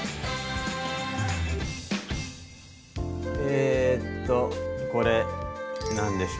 えとこれ何でしょう？